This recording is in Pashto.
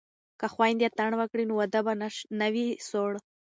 که خویندې اتڼ وکړي نو واده به نه وي سوړ.